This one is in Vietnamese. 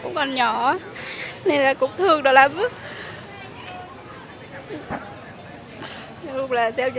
quý không nói được gì